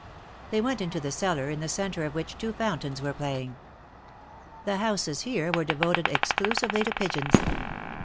They went •into the cellar, in the centre of which two fountains were playing. The houses here were devoted exclusively to pigeons.